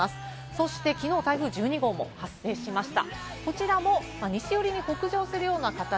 そして、きのう台風１２号も発生しました。